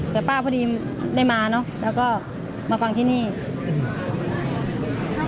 แต่ป้าพอดีได้มาเนอะแล้วก็มาฟังที่นี่